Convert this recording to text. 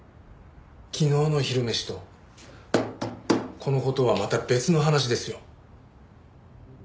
昨日の昼飯とこの事はまた別の話ですよ。